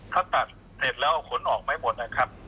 ถ้าตัดเสร็จแล้วเอาขนออกไม่หมดนะครับ